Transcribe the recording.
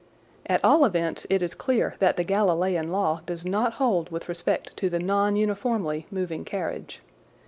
At all events it is clear that the Galileian law does not hold with respect to the non uniformly moving carriage.